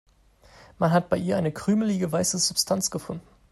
Man hat bei ihr eine krümelige, weiße Substanz gefunden.